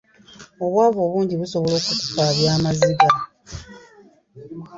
Obwavu obungi busobola n'okukukaabya amaziga.